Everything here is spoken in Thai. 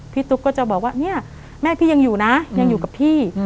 ตุ๊กก็จะบอกว่าเนี่ยแม่พี่ยังอยู่นะยังอยู่กับพี่